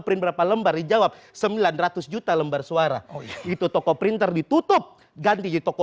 perlu berapa lembar dijawab sembilan ratus js lembar suara dengan itu toko printer ditutup ganti di toko